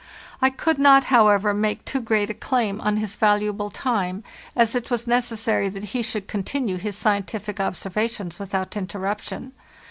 I could not, however, lay too great a claim on his valuable time, as it was necessary that he should con tinue his scientific observations without interruption.